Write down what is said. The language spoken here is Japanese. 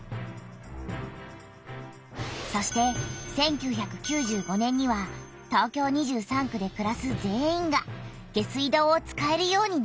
そして１９９５年には東京２３区でくらす全員が下水道を使えるようになった。